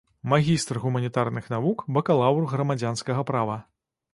Магістр гуманітарных навук, бакалаўр грамадзянскага права.